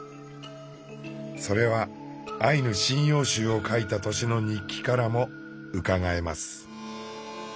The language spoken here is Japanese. それは「アイヌ神謡集」を書いた年の日記からもうかがえます。